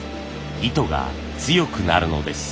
糸が強くなるのです。